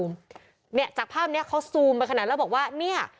เนี่ยจากภาพนี้เขาซูมไปขนาดแล้วบอกว่าเนี่ย